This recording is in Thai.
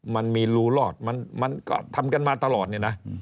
มันมีรูรอดมันก็ทำกันมาตลอดเนี่ยนะ